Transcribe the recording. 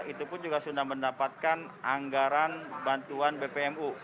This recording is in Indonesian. itu pun juga sudah mendapatkan anggaran bantuan bpmu